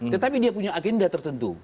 tetapi dia punya agenda tertentu